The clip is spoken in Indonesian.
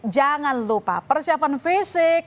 jangan lupa persiapan fisik